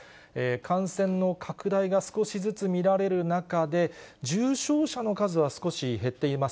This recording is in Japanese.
感染の拡大が少しずつ見られる中で、重症者の数は少し減っています。